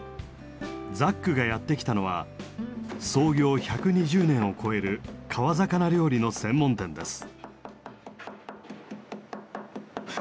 ザックがやって来たのは創業１２０年を超える川魚料理の専門店です。